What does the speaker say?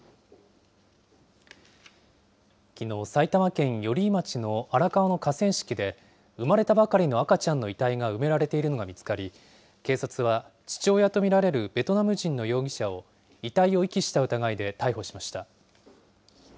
きのう、埼玉県寄居町の荒川の河川敷で、生まれたばかりの赤ちゃんの遺体が埋められているのが見つかり、警察は父親と見られるベトナム人の容疑者を、遺体を遺棄した疑いで逮捕しました。